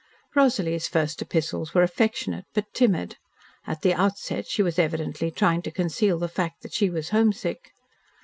Rosalie's first epistles were affectionate, but timid. At the outset she was evidently trying to conceal the fact that she was homesick.